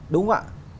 đúng không ạ